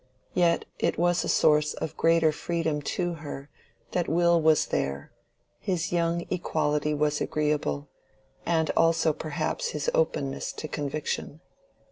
Yet it was a source of greater freedom to her that Will was there; his young equality was agreeable, and also perhaps his openness to conviction.